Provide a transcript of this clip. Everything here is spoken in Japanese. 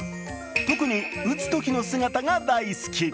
特に打つときの姿が大好き。